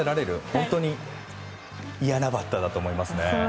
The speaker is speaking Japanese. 本当に、嫌なバッターだと思いますね。